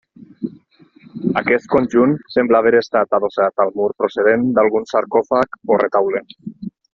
Aquest conjunt sembla haver estat adossat al mur procedent d'algun sarcòfag o retaule.